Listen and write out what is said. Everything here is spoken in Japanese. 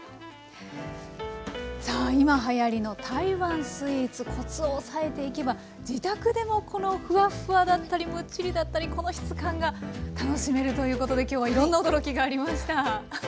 さあ今はやりの台湾スイーツコツを押さえていけば自宅でもこのフワッフワだったりムッチリだったりこの質感が楽しめるということできょうはいろんな驚きがありました。